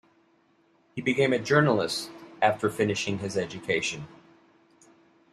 He became a journalist after finishing his education.